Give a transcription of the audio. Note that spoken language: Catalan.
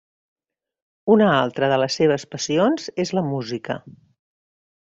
Una altra de les seves passions és la música.